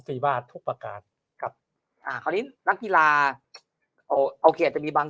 ฟรีบ้าทุกประการครับอ่าเขานี้นักกีฬาเอาเกลียดจะมีบาง